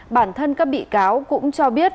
bản thân các bị cáo cũng cho biết